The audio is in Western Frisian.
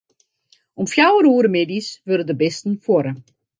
Om fjouwer oere middeis wurde de bisten fuorre.